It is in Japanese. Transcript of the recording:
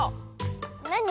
なに？